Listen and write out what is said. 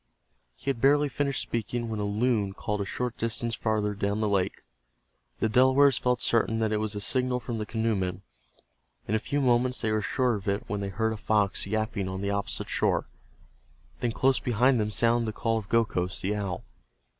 He had barely finished speaking when a loon called a short distance farther down the lake. The Delawares felt certain that it was a signal from the canoemen. In a few moments they were sure of it when they heard a fox yapping on the opposite shore. Then close behind them sounded the call of Gokhos, the owl.